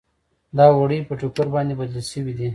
دا وړۍ په ټوکر باندې بدلې شوې دي.